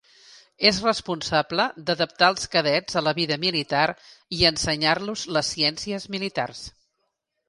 És responsable d'adaptar els cadets a la vida militar i ensenyar-los les ciències militars.